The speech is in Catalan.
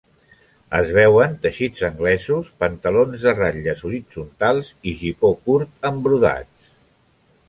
Es veuen teixits anglesos, pantalons de ratlles horitzontals i gipó curt amb brodats.